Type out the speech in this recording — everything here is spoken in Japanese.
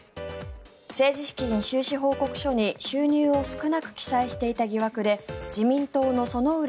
政治資金収支報告書に収入を少なく記載していた疑惑で自民党の薗浦